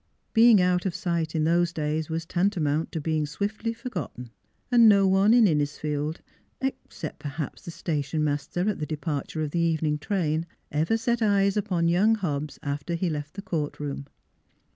Being out of sight in those days was tantamount to being swiftly forgotten. And no one in Innisfield except perhaps the station master at the depar ture of the evening train ever set eyes upon young Hobbs after he left the court room.